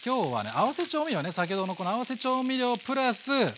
合わせ調味料ね先ほどのこの合わせ調味料プラス。